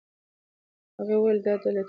هغې وویل دا د لاټرۍ ګټلو په شان دی.